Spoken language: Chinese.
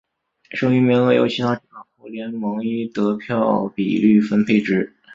剩余名额由其他政党或联盟依得票比率分配之。